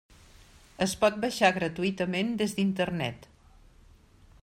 Es pot baixar gratuïtament des d'Internet.